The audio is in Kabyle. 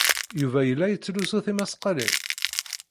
Yuba yella yettlusu tismaqqalin?